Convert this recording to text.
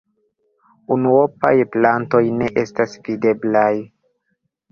Unuopaj plantoj ne estas videblaj.